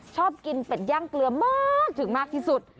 ชอบกินเป็ดย่างเกลือมากถึงมากที่สุด